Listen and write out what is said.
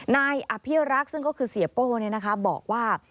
นายอภิรักษ์ซึ่งก็คือเสียโป้บอกว่า